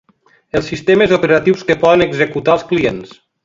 Els sistemes operatius que poden executar els clients.